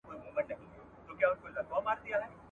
کېدای سي درسونه سخت وي!.